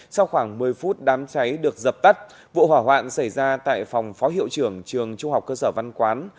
sau khoảng một mươi phút đám cháy được dập tắt vụ hỏa hoạn xảy ra tại phòng phó hiệu trưởng trường trung học cơ sở văn quán